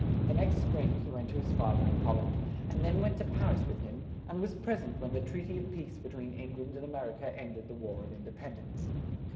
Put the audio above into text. The next spring he went to his fa ther in Hol land, and then went to Par is with him, and was pres ent when the trea ty of peace be tween Eng land and A mer i ca end ed the War of In de pend ence.